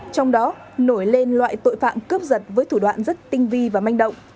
trong đó nổi lên loại tội phạm cướp giật với thủ đoạn rất tinh vi và manh động